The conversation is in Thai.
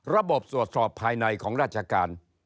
ระบบตรวจสอบภายในของราชการ